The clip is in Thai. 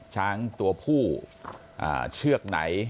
ช้างตัวผู้เชือกไหน